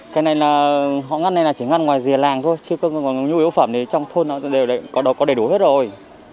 cái này là họ ngăn này là chỉ ngăn ngoài dìa làng thôi chứ còn nhu yếu phẩm thì trong thôn nó đều có đầy đủ hết rồi